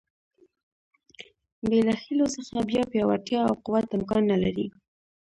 بې له هیلو څخه بیا پیاوړتیا او قوت امکان نه لري.